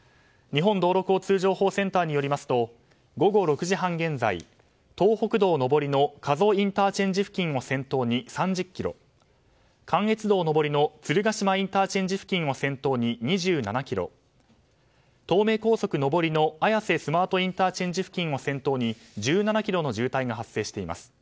日本道路交通情報センターによりますと午後６時半現在東北道上りの加須ＩＣ付近を先頭に３０ｋｍ関越道上りの鶴ヶ島ＩＣ付近を先頭に２７ｋｍ東名高速上りの綾瀬スマートＩＣ付近を先頭に１７ｋｍの渋滞が発生しています。